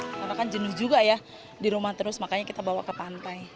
karena kan jenuh juga ya di rumah terus makanya kita bawa ke pantai